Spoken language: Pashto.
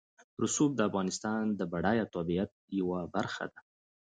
رسوب د افغانستان د بډایه طبیعت یوه برخه ده.